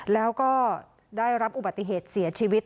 แล้วก็ได้รับอุบัติเหตุเสียชีวิต